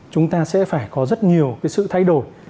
chúng ta sẽ phải có rất nhiều cái sự thay đổi